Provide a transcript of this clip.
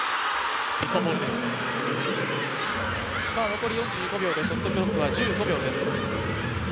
残り４５秒でショットクロックは１５秒です。